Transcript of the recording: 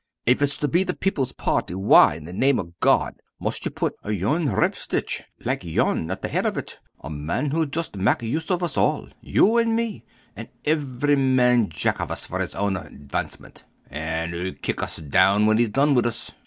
"If it's to be the People's party, why, in the name o' God, must yo put a yoong ripstitch like yon at the head of it? a man who'll just mak use of us all, you an' me, and ivery man Jack of us, for his own advancement, an' ull kick us down when he's done with us!